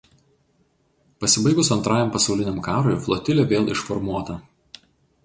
Pasibaigus Antrajam pasauliniam karui flotilė vėl išformuota.